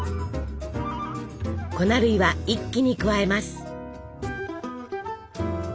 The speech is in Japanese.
粉類は一気に加えます。